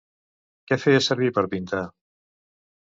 Què feia servir per pintar?